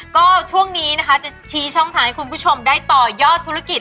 ก็ช่วงนี้นะคะจะชี้ช่องทางให้คุณผู้ชมได้ต่อยอดธุรกิจ